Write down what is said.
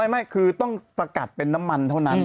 ไม่คือต้องสกัดเป็นน้ำมันเท่านั้น